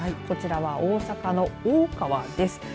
こちらは大阪のおおかわです。